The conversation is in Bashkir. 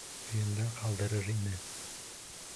Өйөндә ҡалдырыр ине.